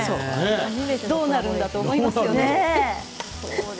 どうなるんだと思いますよね。